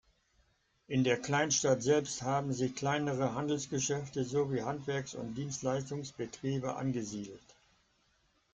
In der Kleinstadt selbst haben sich kleinere Handelsgeschäfte sowie Handwerks- und Dienstleistungsbetriebe angesiedelt.